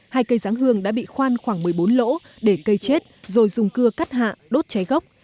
hai cây giáng hương đã bị khoan khoảng một mươi bốn lỗ để cây chết rồi dùng cưa cắt hạ đốt cháy gốc